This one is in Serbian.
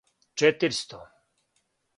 четиристо